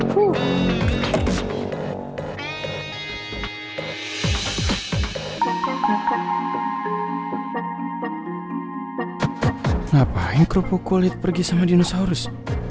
kenapa inkropukulit pergi sama dinosaurus